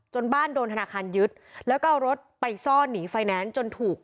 บ้านโดนธนาคารยึดแล้วก็เอารถไปซ่อนหนีไฟแนนซ์จนถูก